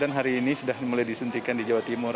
dan hari ini sudah mulai disuntikan di jawa timur